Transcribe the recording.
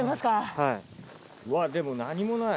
はいうわでも何もない。